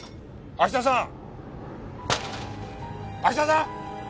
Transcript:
芦田さん！？